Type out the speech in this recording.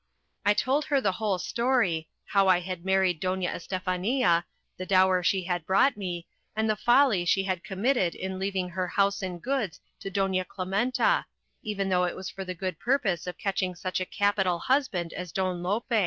I told her the whole story, how I had married Doña Estefania, the dower she had brought me, and the folly she had committed in leaving her house and goods to Doña Clementa, even though it was for the good purpose of catching such a capital husband as Don Lope.